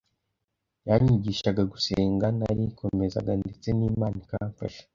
yanyigishaga gusenga narikomezaga ndetse n’Imana ikamfasha